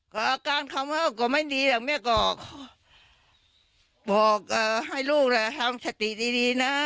ก็อาการเขาก็ไม่ดีแหละแม่ก็บอกให้ลูกละทำสติดีนะ